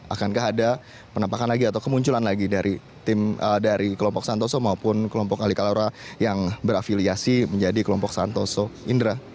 akankah ada penampakan lagi atau kemunculan lagi dari tim dari kelompok santoso maupun kelompok alikalaura yang berafiliasi menjadi kelompok santoso indra